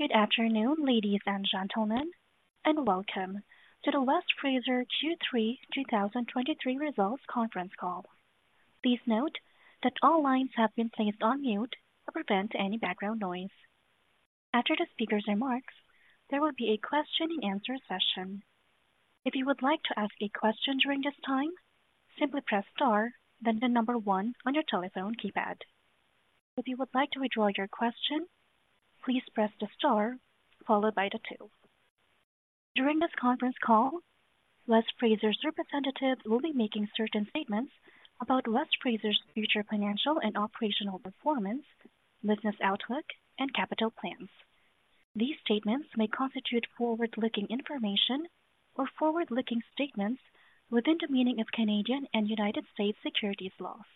Good afternoon, ladies and gentlemen, and welcome to the West Fraser Q3 2023 Results Conference Call. Please note that all lines have been placed on mute to prevent any background noise. After the speaker's remarks, there will be a question-and-answer session. If you would like to ask a question during this time, simply press star, then the number one on your telephone keypad. If you would like to withdraw your question, please press the star followed by the two. During this conference call, West Fraser's representatives will be making certain statements about West Fraser's future financial and operational performance, business outlook, and capital plans. These statements may constitute forward-looking information or forward-looking statements within the meaning of Canadian and United States securities laws.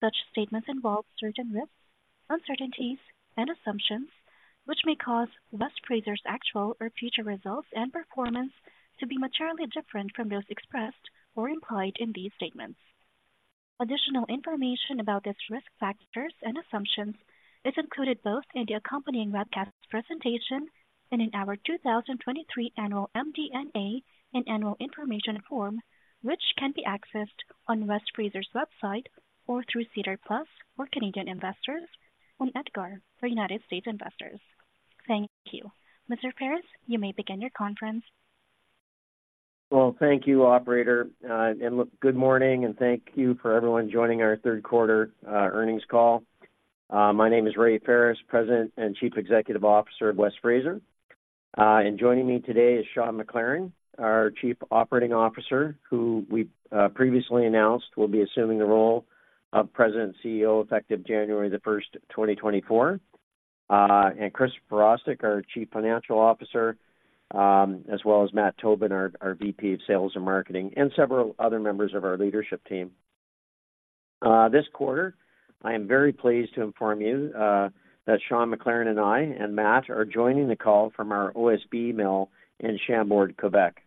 Such statements involve certain risks, uncertainties and assumptions which may cause West Fraser's actual or future results and performance to be materially different from those expressed or implied in these statements. Additional information about these risk factors and assumptions is included both in the accompanying webcast presentation and in our 2023 annual MD&A and Annual Information Form, which can be accessed on West Fraser's website or through SEDAR+ for Canadian investors and EDGAR for United States investors. Thank you. Mr. Ferris, you may begin your conference. Well, thank you, operator, and look, good morning and thank you for everyone joining our third quarter earnings call. My name is Ray Ferris, President and Chief Executive Officer of West Fraser. And joining me today is Sean McLaren, our Chief Operating Officer, who we previously announced will be assuming the role of President and CEO, effective January 1, 2024. And Chris Virostek, our Chief Financial Officer, as well as Matt Tobin, our VP of Sales and Marketing, and several other members of our leadership team. This quarter, I am very pleased to inform you that Sean McLaren and I and Matt are joining the call from our OSB mill in Chambord, Quebec.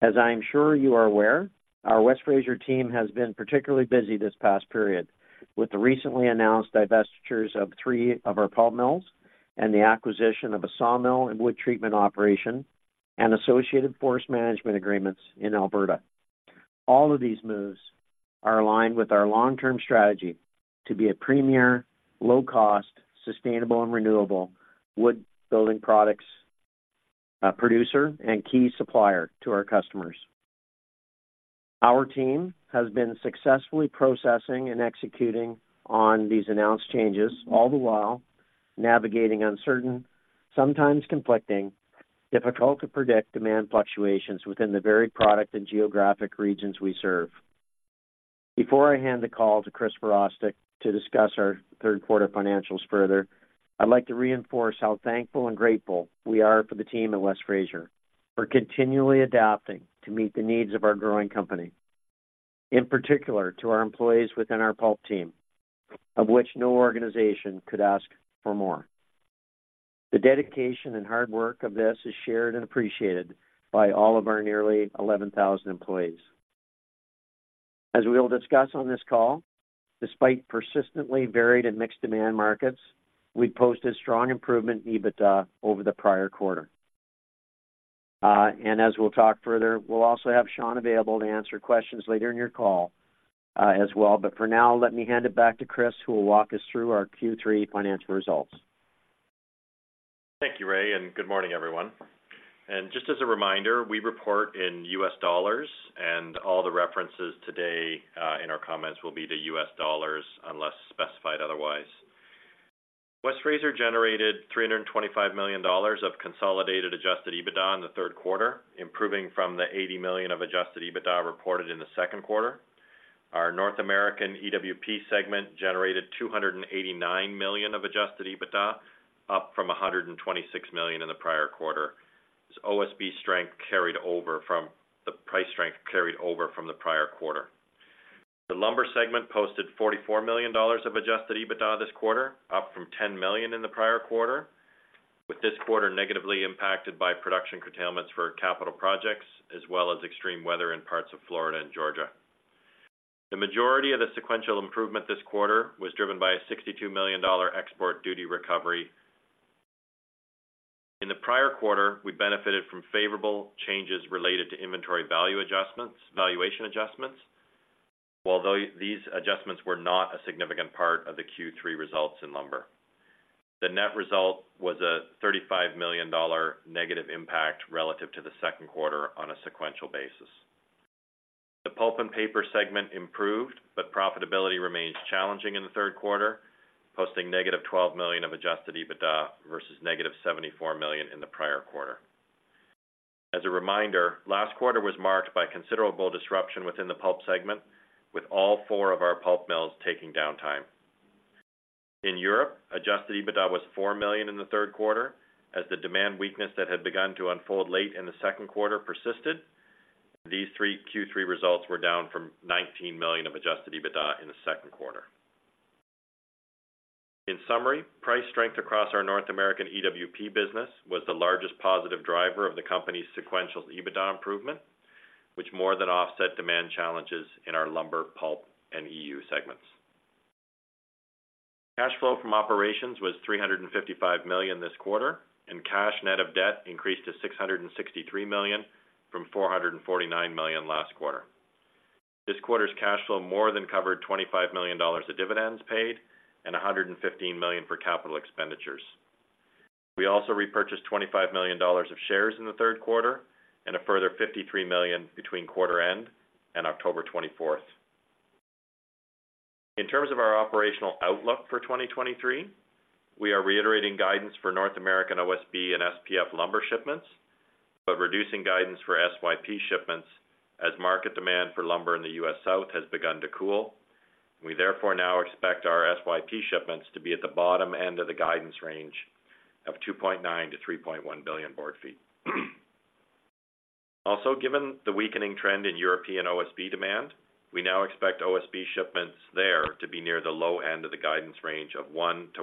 As I am sure you are aware, our West Fraser team has been particularly busy this past period with the recently announced divestitures of three of our pulp mills and the acquisition of a sawmill and wood treatment operation and associated forest management agreements in Alberta. All of these moves are aligned with our long-term strategy to be a premier, low-cost, sustainable and renewable wood building products producer and key supplier to our customers. Our team has been successfully processing and executing on these announced changes, all the while navigating uncertain, sometimes conflicting, difficult to predict demand fluctuations within the very product and geographic regions we serve. Before I hand the call to Chris Virostek to discuss our third quarter financials further, I'd like to reinforce how thankful and grateful we are for the team at West Fraser for continually adapting to meet the needs of our growing company, in particular to our employees within our pulp team, of which no organization could ask for more. The dedication and hard work of this is shared and appreciated by all of our nearly 11,000 employees. As we will discuss on this call, despite persistently varied and mixed demand markets, we posted strong improvement in EBITDA over the prior quarter. And as we'll talk further, we'll also have Sean available to answer questions later in your call, as well. But for now, let me hand it back to Chris, who will walk us through our Q3 financial results. Thank you, Ray, and good morning, everyone. Just as a reminder, we report in U.S. dollars and all the references today in our comments will be in U.S. dollars unless specified otherwise. West Fraser generated $325 million of consolidated adjusted EBITDA in the third quarter, improving from the $80 million of adjusted EBITDA reported in the second quarter. Our North American EWP segment generated $289 million of adjusted EBITDA, up from $126 million in the prior quarter, as the price strength carried over from the prior quarter. The lumber segment posted $44 million of adjusted EBITDA this quarter, up from $10 million in the prior quarter, with this quarter negatively impacted by production curtailments for capital projects, as well as extreme weather in parts of Florida and Georgia. The majority of the sequential improvement this quarter was driven by a $62 million export duty recovery. In the prior quarter, we benefited from favorable changes related to inventory value adjustments, valuation adjustments; these adjustments were not a significant part of the Q3 results in lumber. The net result was a $35 million negative impact relative to the second quarter on a sequential basis. The pulp and paper segment improved, but profitability remains challenging in the third quarter, posting negative $12 million of adjusted EBITDA versus negative $74 million in the prior quarter. As a reminder, last quarter was marked by considerable disruption within the pulp segment, with all four of our pulp mills taking downtime. In Europe, adjusted EBITDA was $4 million in the third quarter, as the demand weakness that had begun to unfold late in the second quarter persisted. These Q3 results were down from $19 million of adjusted EBITDA in the second quarter. In summary, price strength across our North American EWP business was the largest positive driver of the company's sequential EBITDA improvement, which more than offset demand challenges in our lumber, pulp, and EU segments. Cash flow from operations was $355 million this quarter, and cash net of debt increased to $663 million from $449 million last quarter. This quarter's cash flow more than covered $25 million of dividends paid and $115 million for capital expenditures. We also repurchased $25 million of shares in the third quarter and a further $53 million between quarter end and October 24. In terms of our operational outlook for 2023, we are reiterating guidance for North American OSB and SPF lumber shipments, but reducing guidance for SYP shipments as market demand for lumber in the U.S. South has begun to cool. We therefore now expect our SYP shipments to be at the bottom end of the guidance range of 2.9-3.1 billion board feet. Also, given the weakening trend in European OSB demand, we now expect OSB shipments there to be near the low end of the guidance range of 1-1.2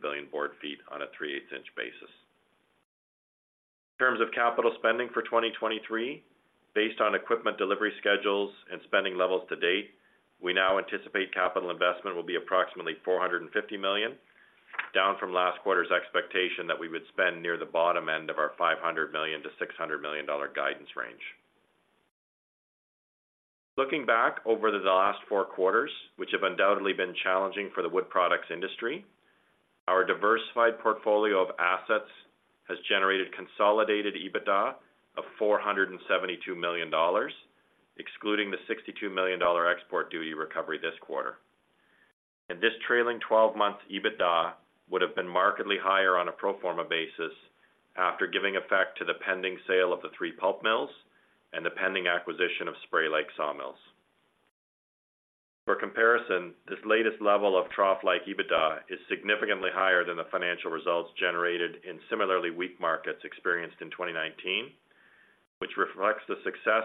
billion board feet on a three-eighths inch basis. In terms of capital spending for 2023, based on equipment delivery schedules and spending levels to date, we now anticipate capital investment will be approximately $450 million, down from last quarter's expectation that we would spend near the bottom end of our $500 million-$600 million guidance range. Looking back over the last 4 quarters, which have undoubtedly been challenging for the wood products industry, our diversified portfolio of assets has generated consolidated EBITDA of $472 million, excluding the $62 million export duty recovery this quarter. This trailing 12-month EBITDA would have been markedly higher on a pro forma basis after giving effect to the pending sale of the 3 pulp mills and the pending acquisition of Spray Lake Sawmills. For comparison, this latest level of trough-like EBITDA is significantly higher than the financial results generated in similarly weak markets experienced in 2019, which reflects the success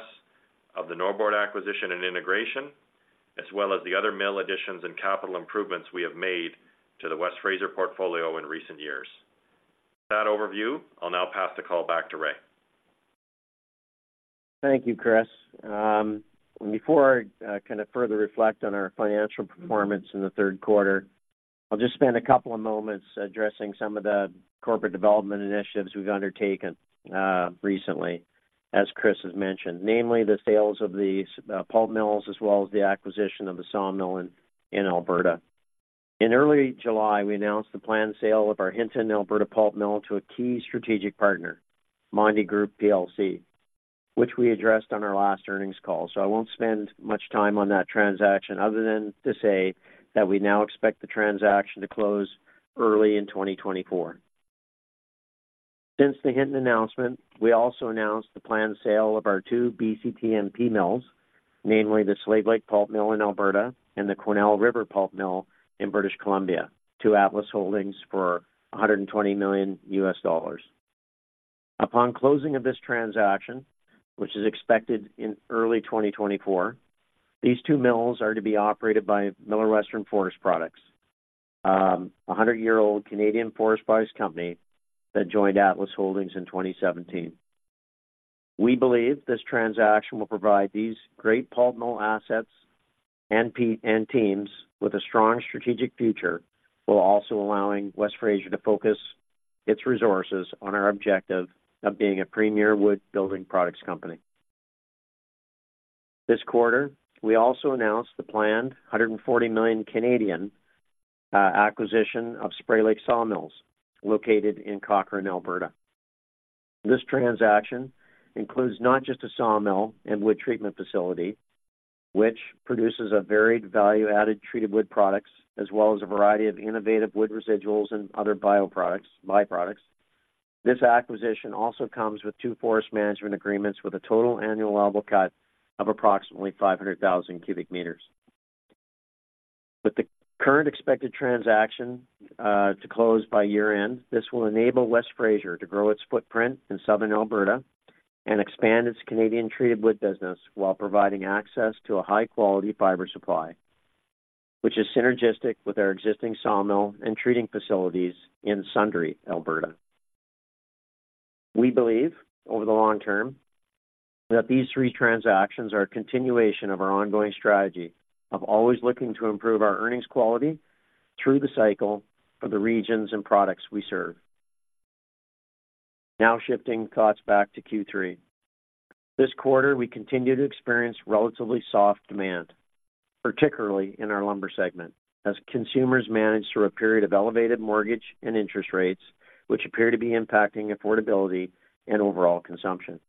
of the Norbord acquisition and integration, as well as the other mill additions and capital improvements we have made to the West Fraser portfolio in recent years. With that overview, I'll now pass the call back to Ray. Thank you, Chris. Before I kind of further reflect on our financial performance in the third quarter, I'll just spend a couple of moments addressing some of the corporate development initiatives we've undertaken recently, as Chris has mentioned, namely the sales of these pulp mills, as well as the acquisition of a sawmill in Alberta. In early July, we announced the planned sale of our Hinton, Alberta pulp mill to a key strategic partner, Mondi Group PLC, which we addressed on our last earnings call, so I won't spend much time on that transaction other than to say that we now expect the transaction to close early in 2024. Since the Hinton announcement, we also announced the planned sale of our two BCTMP mills, namely the Slave Lake Pulp Mill in Alberta and the Quesnel River Pulp Mill in British Columbia, to Atlas Holdings for $120 million. Upon closing of this transaction, which is expected in early 2024, these two mills are to be operated by Millar Western Forest Products, a 100-year-old Canadian forest products company that joined Atlas Holdings in 2017. We believe this transaction will provide these great pulp mill assets and teams with a strong strategic future, while also allowing West Fraser to focus its resources on our objective of being a premier wood building products company. This quarter, we also announced the planned 140 million Canadian dollars acquisition of Spray Lake Sawmills, located in Cochrane, Alberta. This transaction includes not just a sawmill and wood treatment facility, which produces a varied value-added treated wood products, as well as a variety of innovative wood residuals and other bioproducts, byproducts. This acquisition also comes with two forest management agreements with a total annual allowable cut of approximately 500,000 cubic meters. With the current expected transaction to close by year-end, this will enable West Fraser to grow its footprint in southern Alberta and expand its Canadian treated wood business while providing access to a high-quality fiber supply, which is synergistic with our existing sawmill and treating facilities in Sundre, Alberta. We believe over the long term, that these three transactions are a continuation of our ongoing strategy of always looking to improve our earnings quality through the cycle for the regions and products we serve. Now, shifting thoughts back to Q3. This quarter, we continue to experience relatively soft demand, particularly in our lumber segment, as consumers manage through a period of elevated mortgage and interest rates, which appear to be impacting affordability and overall consumption.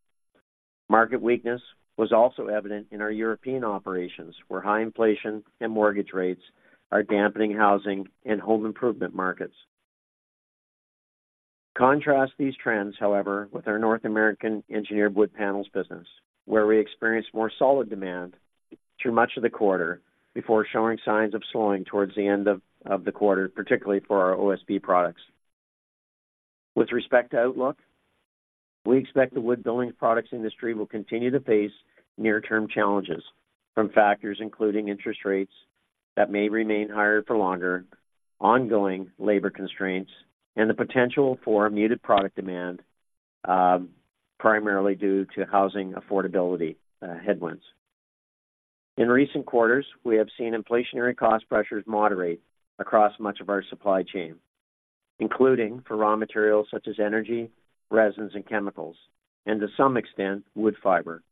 Market weakness was also evident in our European operations, where high inflation and mortgage rates are dampening housing and home improvement markets. Contrast these trends, however, with our North American engineered wood panels business, where we experienced more solid demand through much of the quarter before showing signs of slowing towards the end of the quarter, particularly for our OSB products. With respect to outlook, we expect the wood building products industry will continue to face near-term challenges from factors including interest rates that may remain higher for longer, ongoing labor constraints, and the potential for muted product demand, primarily due to housing affordability headwinds. In recent quarters, we have seen inflationary cost pressures moderate across much of our supply chain, including for raw materials such as energy, resins, and chemicals, and to some extent, wood fiber.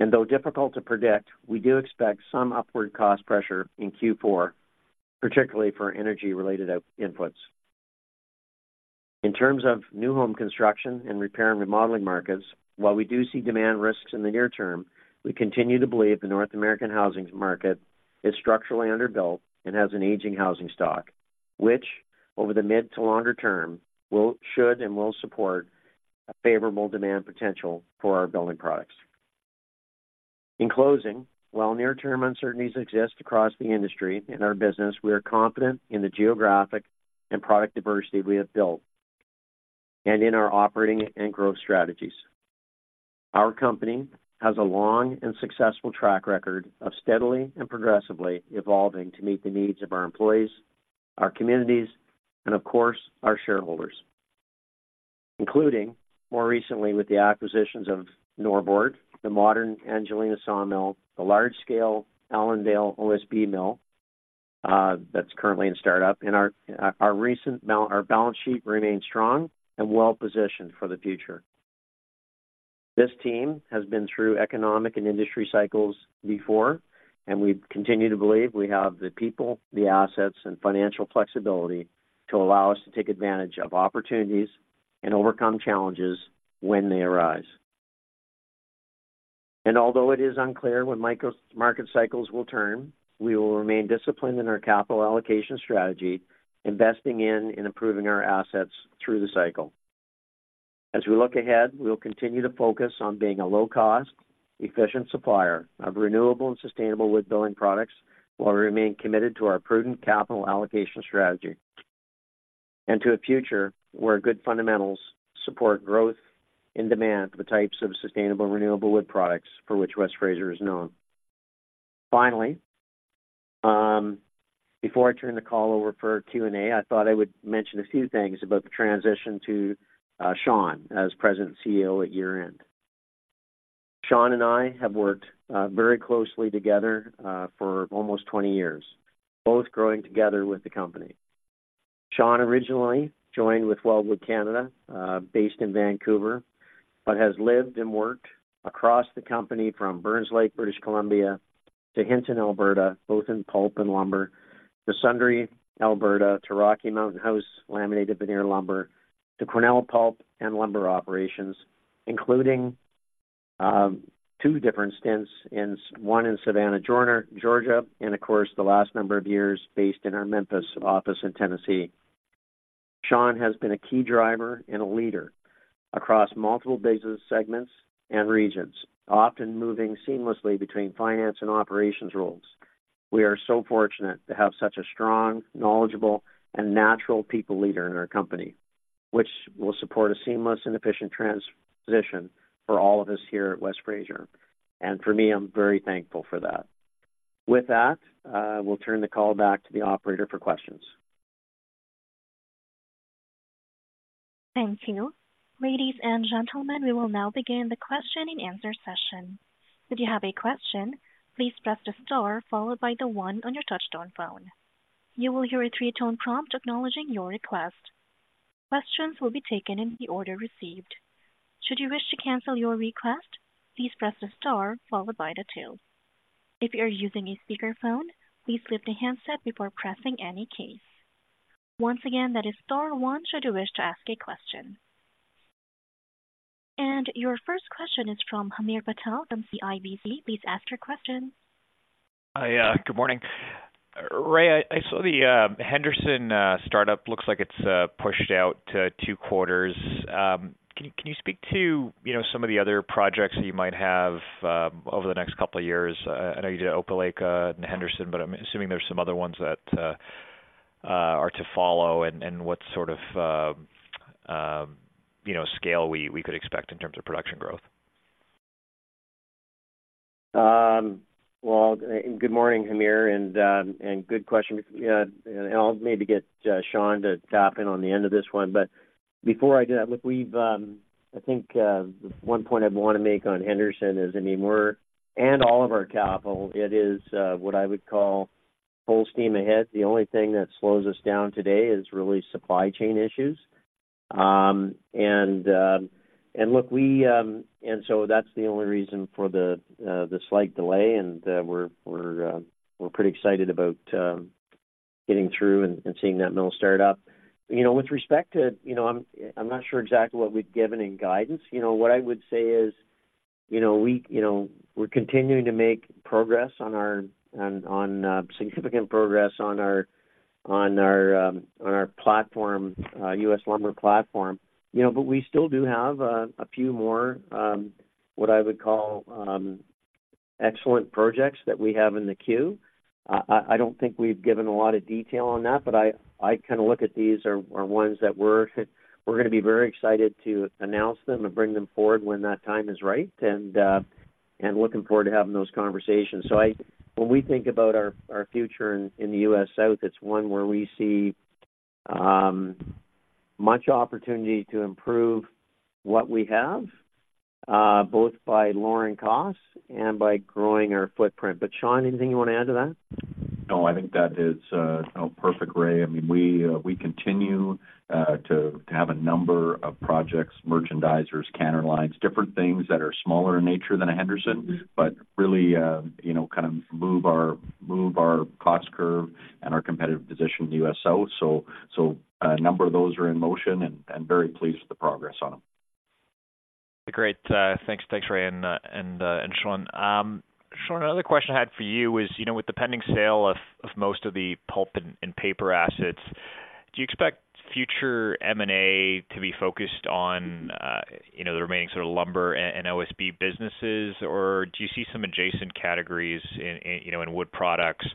Though difficult to predict, we do expect some upward cost pressure in Q4, particularly for energy-related inputs. In terms of new home construction and repair and remodeling markets, while we do see demand risks in the near term, we continue to believe the North American housing market is structurally underbuilt and has an aging housing stock, which over the mid to longer term, will should and will support a favorable demand potential for our building products. In closing, while near-term uncertainties exist across the industry in our business, we are confident in the geographic and product diversity we have built, and in our operating and growth strategies. Our company has a long and successful track record of steadily and progressively evolving to meet the needs of our employees, our communities, and of course, our shareholders, including more recently with the acquisitions of Norbord, the modern Angelina sawmill, the large-scale Allendale OSB mill that's currently in startup, and our recent balance sheet remains strong and well-positioned for the future. This team has been through economic and industry cycles before, and we continue to believe we have the people, the assets, and financial flexibility to allow us to take advantage of opportunities and overcome challenges when they arise. Although it is unclear when market cycles will turn, we will remain disciplined in our capital allocation strategy, investing in and improving our assets through the cycle. As we look ahead, we'll continue to focus on being a low-cost, efficient supplier of renewable and sustainable wood building products, while we remain committed to our prudent capital allocation strategy, and to a future where good fundamentals support growth in demand for the types of sustainable, renewable wood products for which West Fraser is known. Finally, before I turn the call over for Q&A, I thought I would mention a few things about the transition to Sean as President and CEO at year-end. Sean and I have worked very closely together for almost 20 years, both growing together with the company. Sean originally joined with Weldwood Canada, based in Vancouver, but has lived and worked across the company from Burns Lake, British Columbia, to Hinton, Alberta, both in pulp and lumber, to Sundre, Alberta, to Rocky Mountain House, laminated veneer lumber, to Quesnel pulp and lumber operations, including two different stints, one in Savannah, Georgia, and of course, the last number of years based in our Memphis office in Tennessee. Sean has been a key driver and a leader across multiple business segments and regions, often moving seamlessly between finance and operations roles. We are so fortunate to have such a strong, knowledgeable, and natural people leader in our company, which will support a seamless and efficient transition for all of us here at West Fraser. For me, I'm very thankful for that. With that, we'll turn the call back to the operator for questions. Thank you. Ladies and gentlemen, we will now begin the question-and-answer session. If you have a question, please press the star followed by the one on your touchtone phone. You will hear a three-tone prompt acknowledging your request. Questions will be taken in the order received. Should you wish to cancel your request, please press the star followed by the two. If you are using a speakerphone, please lift the handset before pressing any keys. Once again, that is star one, should you wish to ask a question. And your first question is from Hamir Patel from CIBC. Please ask your question. Hi, good morning. Ray, I saw the Henderson startup. Looks like it's pushed out to two quarters. Can you speak to, you know, some of the other projects that you might have over the next couple of years? I know you did Opelika and Henderson, but I'm assuming there's some other ones that are to follow, and what sort of, you know, scale we could expect in terms of production growth. Well, good morning, Hamir, and good question. And I'll maybe get Sean to tap in on the end of this one. But before I do that, look, we've, I think one point I'd want to make on Henderson is, I mean, we're and all of our capital, it is what I would call full steam ahead. The only thing that slows us down today is really supply chain issues. And look, we and so that's the only reason for the slight delay, and we're pretty excited about getting through and seeing that mill start up. You know, with respect to. You know, I'm not sure exactly what we've given in guidance. You know, what I would say is, you know, we, you know, we're continuing to make significant progress on our U.S. lumber platform. You know, but we still do have a few more, what I would call, excellent projects that we have in the queue. I don't think we've given a lot of detail on that, but I kind of look at these are ones that we're gonna be very excited to announce them and bring them forward when that time is right, and looking forward to having those conversations. So when we think about our future in the U.S. South, it's one where we see much opportunity to improve what we have, both by lowering costs and by growing our footprint. Sean, anything you want to add to that? No, I think that is perfect, Ray. I mean, we continue to have a number of projects, merchandisers, counter lines, different things that are smaller in nature than a Henderson, but really, you know, kind of move our cost curve and our competitive position in the U.S. out. So a number of those are in motion and very pleased with the progress on them. Great. Thanks. Thanks, Ray and Sean. Sean, another question I had for you is, you know, with the pending sale of most of the pulp and paper assets, do you expect future M&A to be focused on, you know, the remaining sort of lumber and OSB businesses? Or do you see some adjacent categories in, you know, in wood products,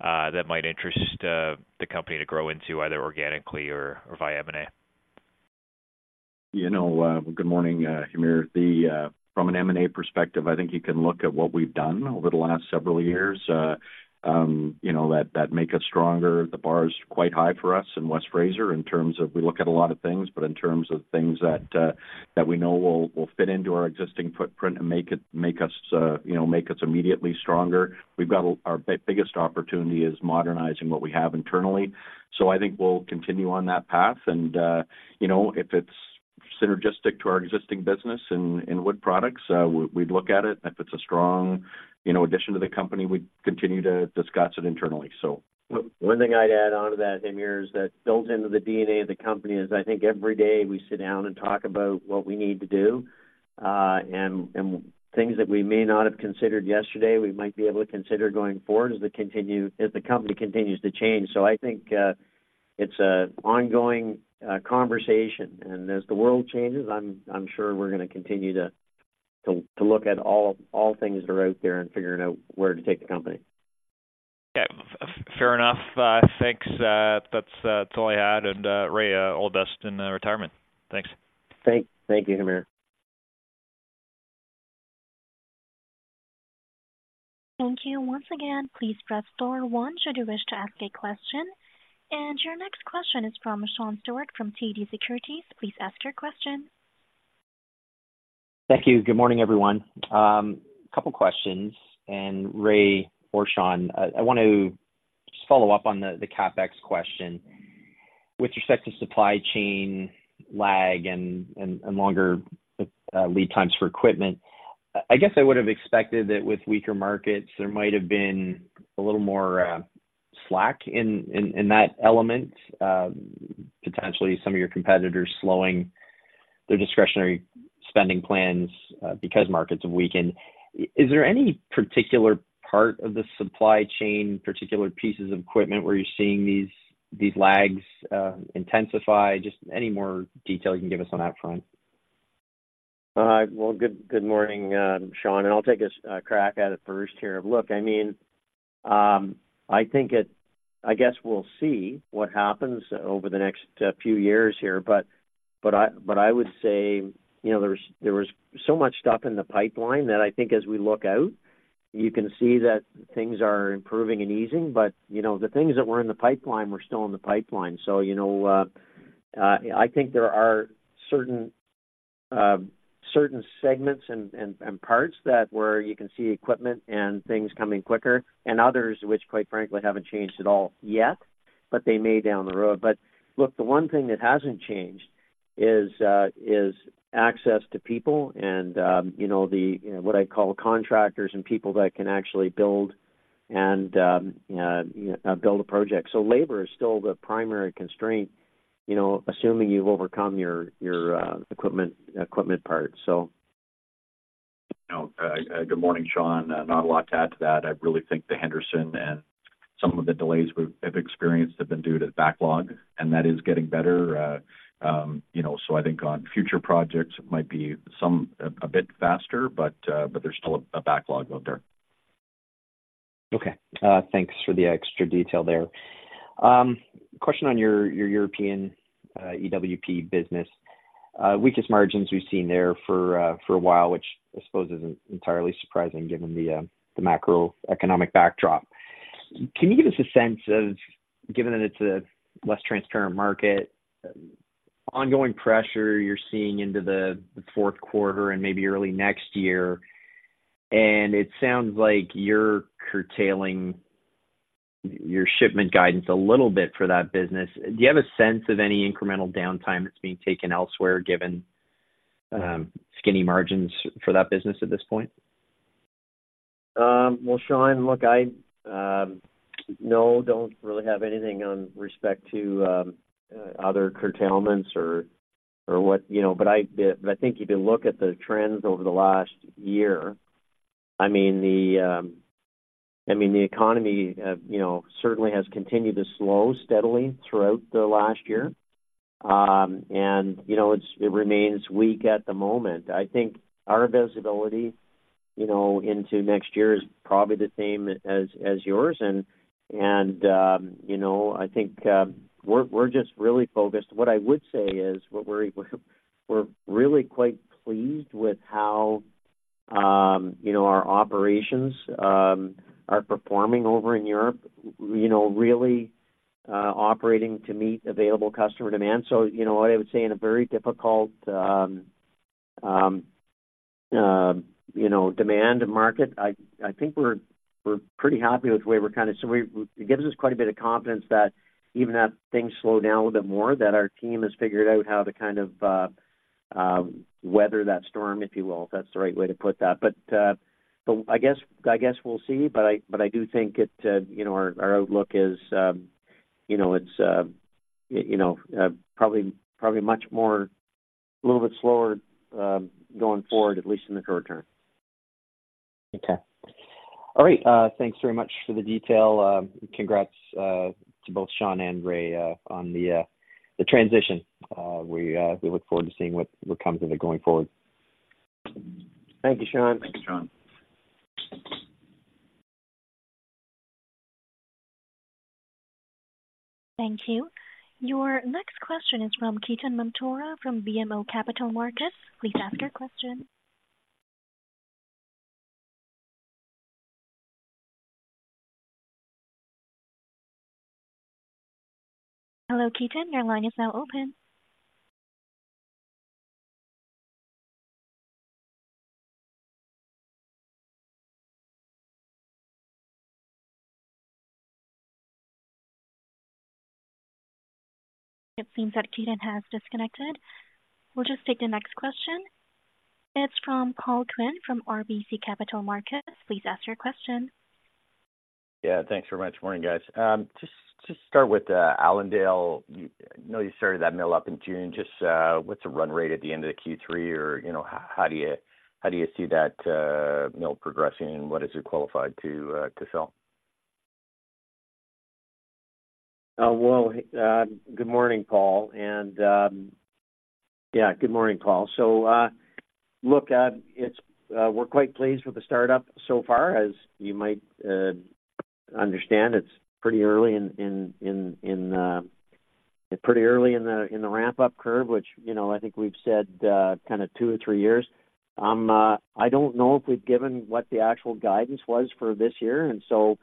that might interest the company to grow into, either organically or via M&A? You know, good morning, Hamir. From an M&A perspective, I think you can look at what we've done over the last several years, you know, that make us stronger. The bar is quite high for us in West Fraser in terms of we look at a lot of things, but in terms of things that we know will fit into our existing footprint and make us, you know, make us immediately stronger. We've got our biggest opportunity is modernizing what we have internally. I think we'll continue on that path, and, you know, if it's synergistic to our existing business in wood products, we'd look at it. If it's a strong, you know, addition to the company, we'd continue to discuss it internally. One thing I'd add on to that, Hamir, is that built into the DNA of the company is, I think every day we sit down and talk about what we need to do, and things that we may not have considered yesterday, we might be able to consider going forward as the company continues to change. So I think, it's an ongoing conversation, and as the world changes, I'm sure we're gonna continue to look at all things that are out there and figuring out where to take the company. Yeah, fair enough. Thanks. That's all I had. Ray, all the best in retirement. Thanks. Thank you, Hamir. Thank you. Once again, please press star one should you wish to ask a question. Your next question is from Sean Steuart, from TD Securities. Please ask your question. Thank you. Good morning, everyone. A couple questions, and Ray or Sean, I want to just follow up on the CapEx question. With respect to supply chain lag and longer lead times for equipment, I guess I would have expected that with weaker markets, there might have been a little more slack in that element, potentially some of your competitors slowing their discretionary spending plans because markets have weakened. Is there any particular part of the supply chain, particular pieces of equipment where you're seeing these lags intensify? Just any more detail you can give us on that front. Well, good morning, Sean, and I'll take a crack at it first here. Look, I mean, I think it, I guess we'll see what happens over the next few years here, but I would say, you know, there was so much stuff in the pipeline that I think as we look out, you can see that things are improving and easing, but, you know, the things that were in the pipeline were still in the pipeline. You know, I think there are certain, certain segments and parts that where you can see equipment and things coming quicker, and others, which, quite frankly, haven't changed at all yet, but they may down the road. But look, the one thing that hasn't changed is access to people and, you know, the, what I call contractors and people that can actually build and build a project. So labor is still the primary constraint, you know, assuming you've overcome your equipment part, so. You know, good morning, Sean. Not a lot to add to that. I really think the Henderson and some of the delays we've experienced have been due to backlog, and that is getting better. You know, so I think on future projects, it might be some a bit faster, but, but there's still a backlog out there. Okay, thanks for the extra detail there. Question on your European EWP business. Weakest margins we've seen there for a while, which I suppose isn't entirely surprising given the macroeconomic backdrop. Can you give us a sense of, given that it's a less transparent market, ongoing pressure you're seeing into the fourth quarter and maybe early next year, and it sounds like you're curtailing your shipment guidance a little bit for that business. Do you have a sense of any incremental downtime that's being taken elsewhere, given skinny margins for that business at this point? Well, Sean, look, I don't really have anything with respect to other curtailments or what, you know, but I think if you look at the trends over the last year, I mean, the economy, you know, certainly has continued to slow steadily throughout the last year. And, you know, it remains weak at the moment. I think our visibility, you know, into next year is probably the same as yours, and, you know, I think, we're really focused. What I would say is, we're really quite pleased with how our operations are performing over in Europe, you know, really operating to meet available customer demand. So, you know, I would say in a very difficult, you know, demand market, I think we're pretty happy with the way we're kind of so we it gives us quite a bit of confidence that even if things slow down a little bit more, that our team has figured out how to kind of weather that storm, if you will, if that's the right way to put that. But, so I guess we'll see, but I do think it, you know, our outlook is, you know, it's, you know, probably much more a little bit slower, going forward, at least in the short term. Okay. All right. Thanks very much for the detail. Congrats to both Sean and Ray on the transition. We look forward to seeing what comes of it going forward. Thank you, Sean. Thanks, Sean. Thank you. Your next question is from Ketan Mamtora from BMO Capital Markets. Please ask your question. Hello, Ketan, your line is now open. It seems that Ketan has disconnected. We'll just take the next question. It's from Paul Quinn from RBC Capital Markets. Please ask your question. Yeah, thanks very much. Morning, guys. Just, just start with Allendale. I know you started that mill up in June. Just, what's the run rate at the end of the Q3? Or, you know, how do you, how do you see that mill progressing, and what is it qualified to sell? Well, good morning, Paul, and yeah, good morning, Paul. So, look, it's we're quite pleased with the startup so far. As you might understand, it's pretty early in the ramp-up curve, which, you know, I think we've said, kinda two or three years. I don't know if we've given what the actual guidance was for this year, and so.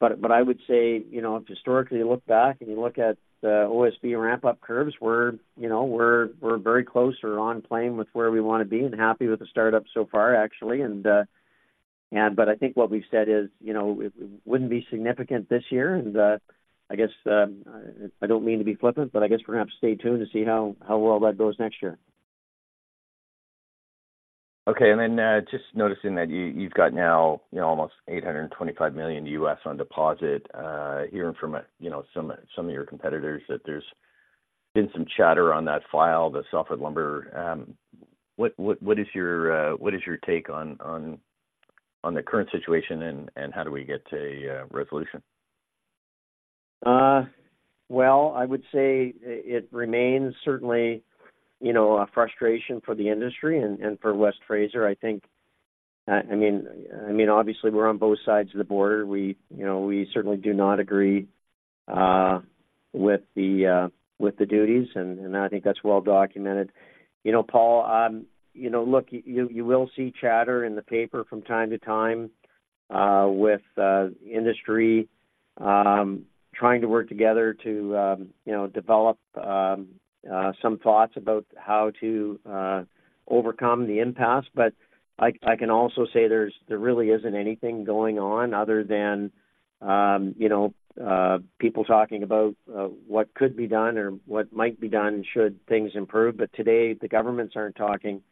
But I would say, you know, if historically you look back and you look at the OSB ramp-up curves, we're, you know, we're very close or on plane with where we wanna be and happy with the startup so far, actually. But I think what we've said is, you know, it wouldn't be significant this year, and I guess I don't mean to be flippant, but I guess perhaps stay tuned to see how well that goes next year. Okay. And then, just noticing that you've got now, you know, almost $825 million on deposit, hearing from a, you know, some of your competitors, that there's been some chatter on that file, the softwood lumber. What is your take on the current situation, and how do we get to a resolution? Well, I would say it remains certainly, you know, a frustration for the industry and for West Fraser. I think, I mean, obviously we're on both sides of the border. We, you know, we certainly do not agree with the duties, and I think that's well documented. You know, Paul, you know, look, you will see chatter in the paper from time to time with industry trying to work together to, you know, develop some thoughts about how to overcome the impasse. But I can also say there's really isn't anything going on other than, you know, people talking about what could be done or what might be done should things improve. But today, the governments aren't talking,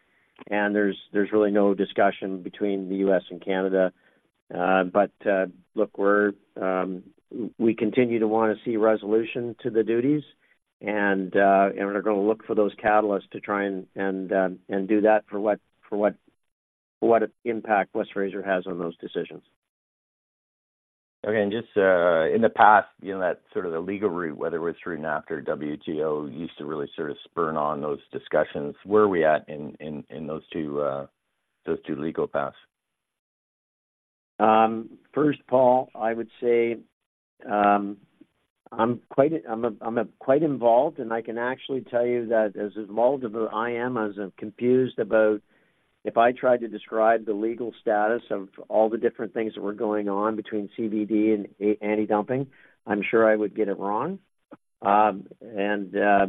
and there's really no discussion between the U.S. and Canada. But look, we continue to want to see resolution to the duties, and we're gonna look for those catalysts to try and do that for whatever impact West Fraser has on those decisions. Okay. And just in the past, you know, that sort of the legal route, whether it was through NAFTA or WTO, used to really sort of spur on those discussions. Where are we at in those two legal paths? First, Paul, I would say, I'm quite involved, and I can actually tell you that as involved as I am, as I'm confused about if I tried to describe the legal status of all the different things that were going on between CVD and anti-dumping, I'm sure I would get it wrong. And, I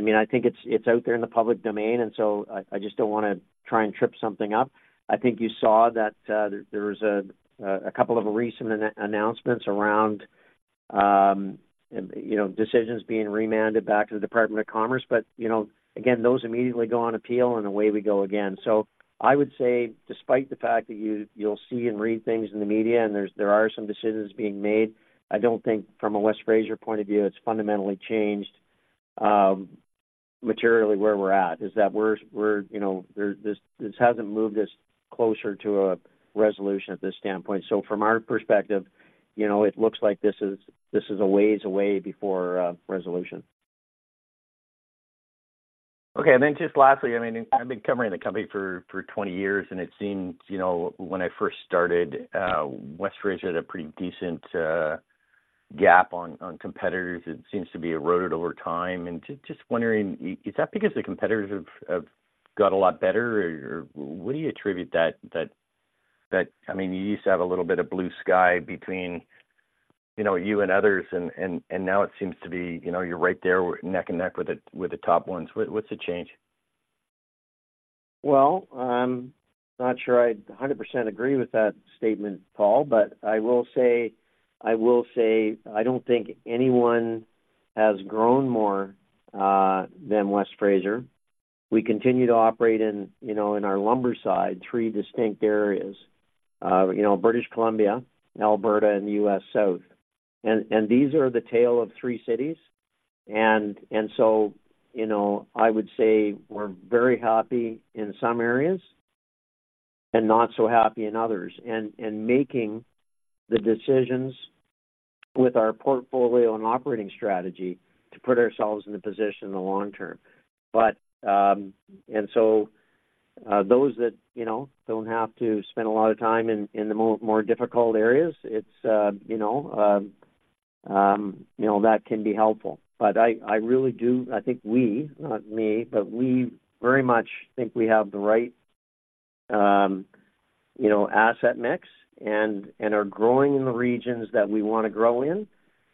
mean, I think it's out there in the public domain, and so I just don't wanna try and trip something up. I think you saw that there was a couple of recent announcements around, you know, decisions being remanded back to the Department of Commerce. But, you know, again, those immediately go on appeal, and away we go again. So I would say, despite the fact that you, you'll see and read things in the media and there's, there are some decisions being made, I don't think from a West Fraser point of view, it's fundamentally changed materially where we're at, is that we're, we're, you know, there. This, this hasn't moved us closer to a resolution at this standpoint. So from our perspective, you know, it looks like this is, this is a ways away before resolution. Okay. And then just lastly, I mean, I've been covering the company for 20 years, and it seems, you know, when I first started, West Fraser had a pretty decent gap on competitors. It seems to be eroded over time. And just wondering, is that because the competitors have got a lot better, or what do you attribute that? I mean, you used to have a little bit of blue sky between, you know, you and others, and now it seems to be, you know, you're right there neck and neck with the top ones. What's the change? Well, I'm not sure 100% agree with that statement, Paul, but I will say, I will say I don't think anyone has grown more than West Fraser. We continue to operate in, you know, in our lumber side, three distinct areas. You know, British Columbia, Alberta, and U.S. South. And these are the tale of three cities. And so, you know, I would say we're very happy in some areas and not so happy in others. And making the decisions with our portfolio and operating strategy to put ourselves in a position in the long term. But... And so, those that, you know, don't have to spend a lot of time in the more difficult areas, it's, you know, that can be helpful. But I really do. I think we, not me, but we very much think we have the right, you know, asset mix and are growing in the regions that we want to grow in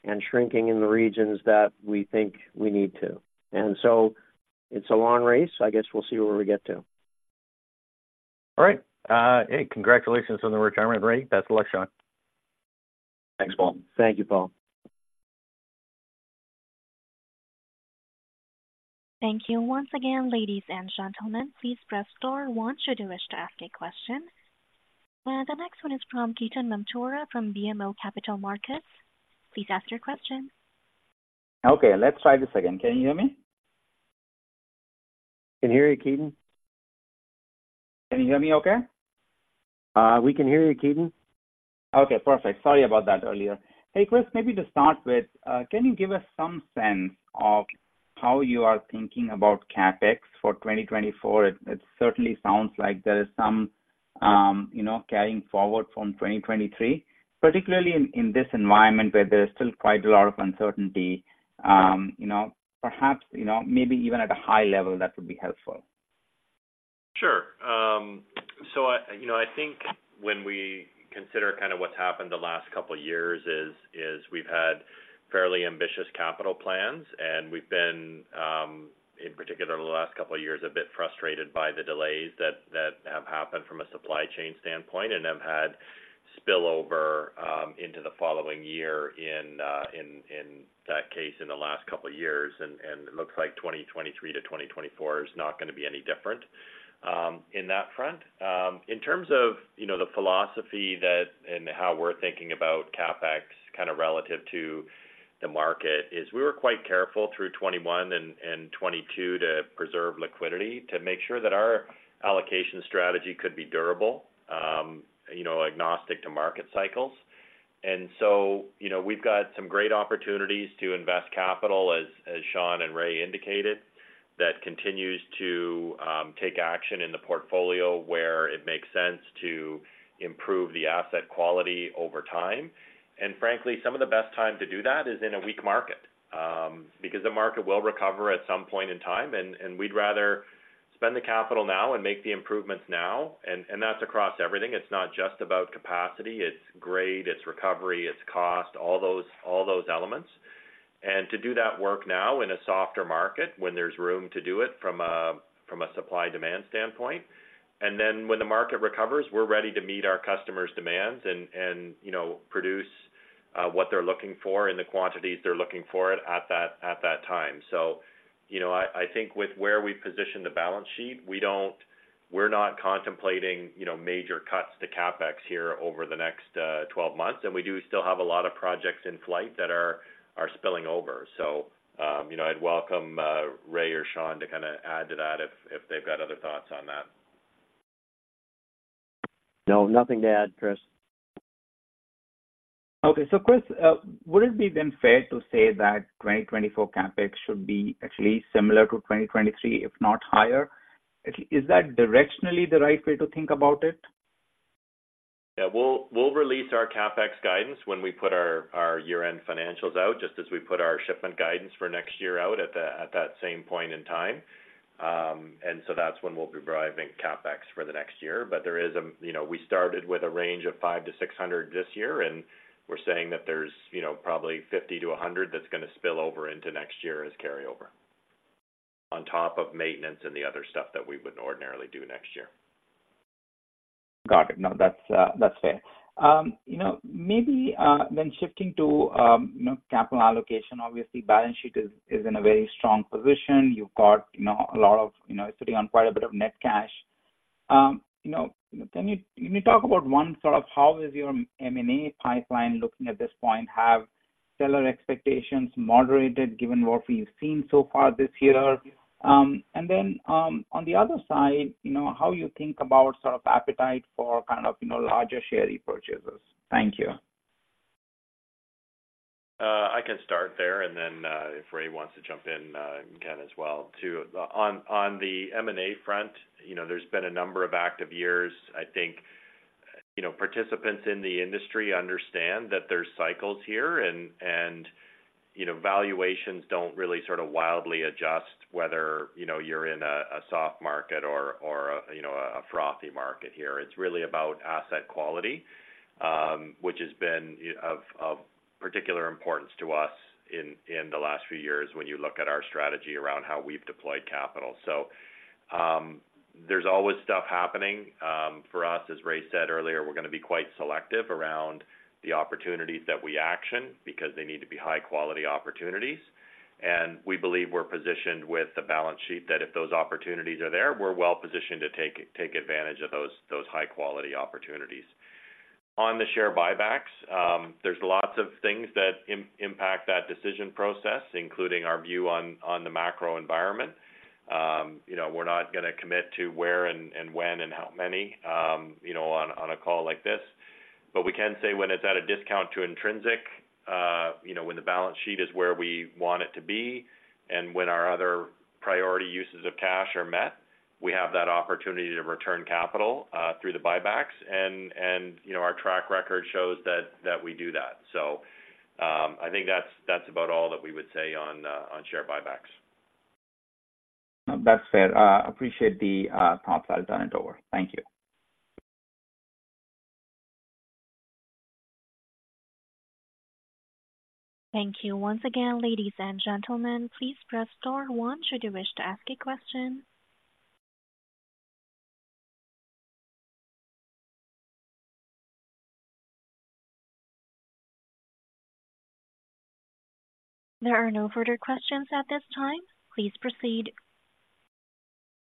and shrinking in the regions that we think we need to. And so it's a long race. I guess we'll see where we get to. All right. Hey, congratulations on the retirement, Ray. Best of luck, Sean. Thanks, Paul. Thank you, Paul. Thank you. Once again, ladies and gentlemen, please press star one should you wish to ask a question. The next one is from Ketan Mamtora from BMO Capital Markets. Please ask your question. Okay, let's try this again. Can you hear me? Can hear you, Ketan. Can you hear me okay? We can hear you, Ketan. Okay, perfect. Sorry about that earlier. Hey, Chris, maybe to start with, can you give us some sense of how you are thinking about CapEx for 2024? It certainly sounds like there is some, you know, carrying forward from 2023, particularly in this environment, where there is still quite a lot of uncertainty. You know, perhaps, you know, maybe even at a high level, that would be helpful. Sure. So I, you know, I think when we consider kind of what's happened the last couple of years is, is we've had fairly ambitious capital plans, and we've been, in particular the last couple of years, a bit frustrated by the delays that, that have happened from a supply chain standpoint and have had spillover, into the following year in, in, in that case, in the last couple of years. And, and it looks like 2023 to 2024 is not going to be any different, in that front. In terms of, you know, the philosophy that, and how we're thinking about CapEx kind of relative to the market is we were quite careful through 2021 and, and 2022, to preserve liquidity, to make sure that our allocation strategy could be durable, you know, agnostic to market cycles. So, you know, we've got some great opportunities to invest capital, as, as Sean and Ray indicated, that continues to take action in the portfolio where it makes sense to improve the asset quality over time. And frankly, some of the best time to do that is in a weak market, because the market will recover at some point in time, and, and we'd rather spend the capital now and make the improvements now. And, and that's across everything. It's not just about capacity, it's grade, it's recovery, it's cost, all those, all those elements. To do that work now in a softer market, when there's room to do it from a supply demand standpoint, and then when the market recovers, we're ready to meet our customers' demands and, you know, produce what they're looking for in the quantities they're looking for it at that time. So, you know, I think with where we position the balance sheet, we don't, we're not contemplating, you know, major cuts to CapEx here over the next 12 months. And we do still have a lot of projects in flight that are spilling over. So, you know, I'd welcome Ray or Sean to kind of add to that if they've got other thoughts on that. No, nothing to add, Chris. Okay. So, Chris, would it be then fair to say that 2024 CapEx should be at least similar to 2023, if not higher? Is that directionally the right way to think about it? Yeah. We'll release our CapEx guidance when we put our year-end financials out, just as we put our shipment guidance for next year out at that same point in time. That's when we'll be deriving CapEx for the next year. There is a, you know, we started with a range of $500 million-$600 million this year, and we're saying that there's, you know, probably $50 million-$100 million that's going to spill over into next year as carryover, on top of maintenance and the other stuff that we wouldn't ordinarily do next year. Got it. No, that's fair. You know, maybe when shifting to you know, capital allocation, obviously balance sheet is in a very strong position. You've got, you know, a lot of you know, sitting on quite a bit of net cash. You know, can you talk about one, sort of, how is your M&A pipeline looking at this point? Have seller expectations moderated given what we've seen so far this year? And then, on the other side, you know, how you think about sort of appetite for kind of, you know, larger share repurchases? Thank you. I can start there, and then, if Ray wants to jump in, can as well, too. On the M&A front, you know, there's been a number of active years. I think, you know, participants in the industry understand that there's cycles here and, you know, valuations don't really sort of wildly adjust whether, you know, you're in a soft market or, you know, a frothy market here. It's really about asset quality, which has been of particular importance to us in the last few years when you look at our strategy around how we've deployed capital. So, there's always stuff happening. For us, as Ray said earlier, we're going to be quite selective around the opportunities that we action because they need to be high-quality opportunities. We believe we're positioned with the balance sheet, that if those opportunities are there, we're well positioned to take advantage of those high-quality opportunities. On the share buybacks, there's lots of things that impact that decision process, including our view on the macro environment. You know, we're not going to commit to where and when and how many, you know, on a call like this. But we can say when it's at a discount to intrinsic, you know, when the balance sheet is where we want it to be, and when our other priority uses of cash are met, we have that opportunity to return capital through the buybacks. And, you know, our track record shows that we do that. So, I think that's about all that we would say on share buybacks. That's fair. Appreciate the thoughts. I'll turn it over. Thank you. Thank you. Once again, ladies and gentlemen, please press star one should you wish to ask a question. There are no further questions at this time. Please proceed.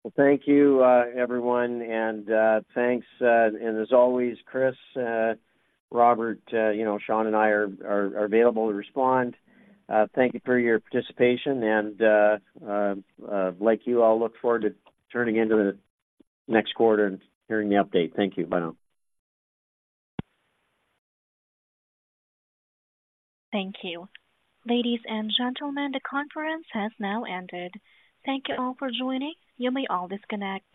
Well, thank you, everyone, and thanks. As always, Chris, Robert, you know, Sean and I are available to respond. Thank you for your participation and, like you all, I look forward to turning into the next quarter and hearing the update. Thank you. Bye now. Thank you. Ladies and gentlemen, the conference has now ended. Thank you all for joining. You may all disconnect.